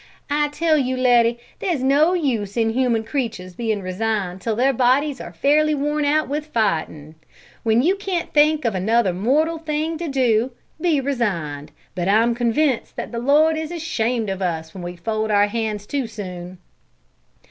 "I tell you, Letty, there's no use in human creatures being resigned till their bodies are fairly worn out with fighting. When you can't think of another mortal thing to do, be resigned; but I'm convinced that the Lord is ashamed of us when we fold our hands too soon!"